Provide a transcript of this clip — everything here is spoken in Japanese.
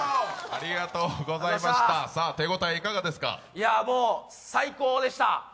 いや、もう最高でした。